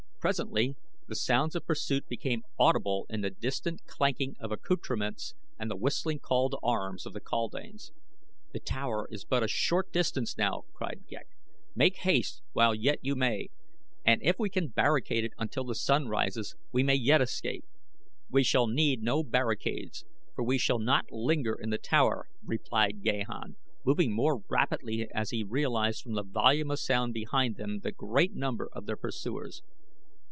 Presently the sounds of pursuit became audible in the distant clanking of accouterments and the whistling call to arms of the kaldanes. "The tower is but a short distance now," cried Ghek. "Make haste while yet you may, and if we can barricade it until the sun rises we may yet escape." "We shall need no barricades for we shall not linger in the tower," replied Gahan, moving more rapidly as he realized from the volume of sound behind them the great number of their pursuers.